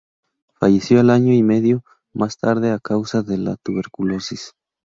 Falleció año y medio más tarde a causa de la tuberculosis.